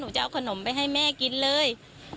จะเอาขนมไปให้แม่กินเลย